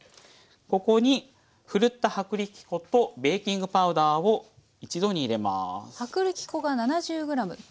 ここにふるった薄力粉とベーキングパウダーを一度に入れます。